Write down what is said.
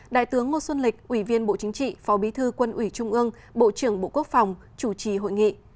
đại tướng ngô xuân lịch ủy viên bộ chính trị phó bí thư quân ủy trung ương bộ trưởng bộ quốc phòng chủ trì hội nghị